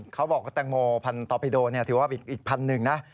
เขาบอกว่าแตงโมพันตอปิโดถือว่าอีกพันหนึ่งนะ